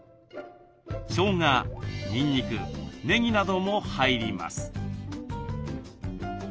しょうがにんにくねぎなども入ります。